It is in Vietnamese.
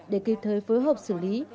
để kịp thời phối hợp xử lý